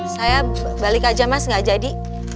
saya balik aja mas gak jadi